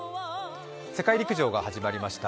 世界陸上が始まりました。